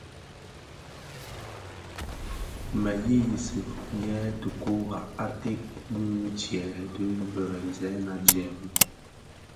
Mè yiyisi yèè ti kurag ated bi dièè dhi biremzèna dièè bi.